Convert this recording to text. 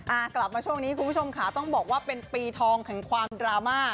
กลับมาช่วงนี้คุณผู้ชมค่ะต้องบอกว่าเป็นปีทองแห่งความดราม่า